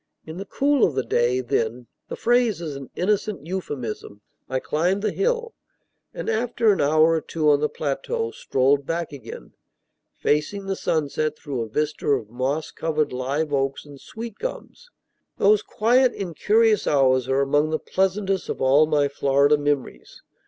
In the cool of the day, then (the phrase is an innocent euphemism), I climbed the hill, and after an hour or two on the plateau strolled back again, facing the sunset through a vista of moss covered live oaks and sweet gums. Those quiet, incurious hours are among the pleasantest of all my Florida memories.